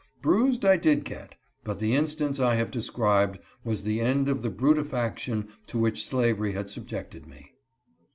Bruised I did get, but the instance I have described was the end of the bru tification to which slavery had subjected me.